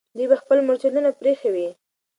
دوی به خپل مرچلونه پرېښي وي.